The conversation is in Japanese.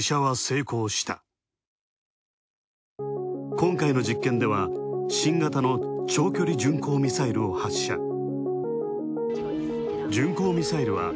今回の実験では新型の長距離巡航ミサイルを発射。